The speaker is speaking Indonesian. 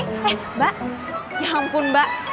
mbak ya ampun mbak